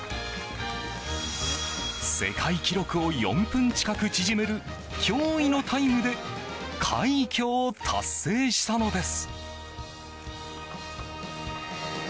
世界記録を４分近く縮める驚異のタイムで快挙を達成したのです。